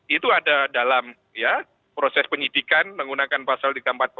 itu ada dalam proses penyidikan menggunakan pasal tiga ratus empat puluh